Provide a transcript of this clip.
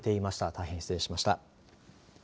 大変、失礼しました。